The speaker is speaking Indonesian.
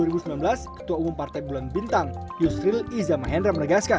ketua umum partai bulan bintang yusril iza mahendra menegaskan